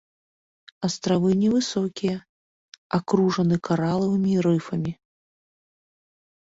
Астравы невысокія, акружаны каралавымі рыфамі.